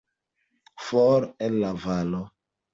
For, el la valo.